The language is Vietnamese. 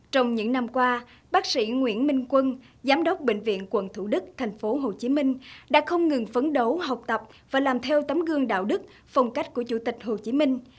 trong những năm qua bác sĩ nguyễn minh quân giám đốc bệnh viện quận thủ đức thành phố hồ chí minh đã không ngừng phấn đấu học tập và làm theo tấm gương đạo đức phong cách của chủ tịch hồ chí minh